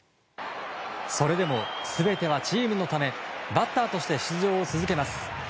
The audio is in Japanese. それでも、全てはチームのためバッターとして出場を続けます。